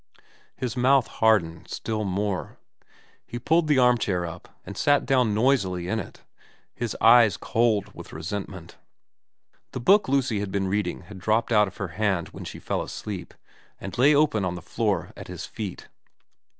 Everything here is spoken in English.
His mouth hardened still more. He pulled the arm chair up and sat down noisily in it, his eyes cold with resentment. The book Lucy had been reading had dropped out of her hand when she fell asleep, and lay open on the floor at his feet.